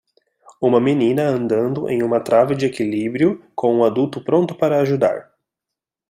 Uma menina andando em uma trave de equilíbrio com um adulto pronto para ajudar